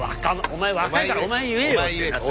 「お前若いからお前言えよ」ってなった。